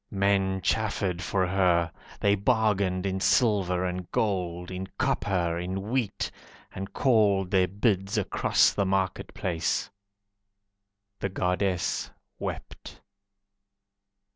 Men chaffered for her, They bargained in silver and gold, In copper, in wheat, And called their bids across the market place. The Goddess wept.